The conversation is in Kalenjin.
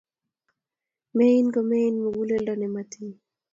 Mean komein muguleldo ne matiny